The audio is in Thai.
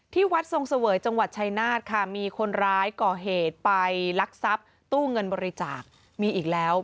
ที่วัดทรงเสวยจังหวัดชายนาฏค่ะมีคนร้ายก่อเหตุไปลักทรัพย์ตู้เงินบริจาคมีอีกแล้ว